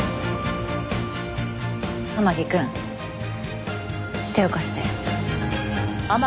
天樹くん手を貸して。